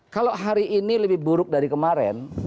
kalau hari ini lebih buruk dari kemarin